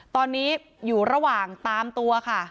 ตอนนี้อยู่ระหว่างตามตัวค่ะ